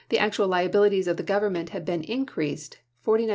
actual liabilities of the Government had been in creased $49,790,223.